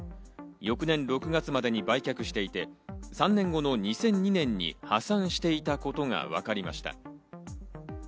翌年６月までに売却していて、３年後の２００２年に破産していたことがわかりました。